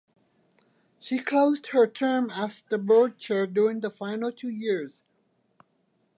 She closed her term as the Board Chair during the final two years.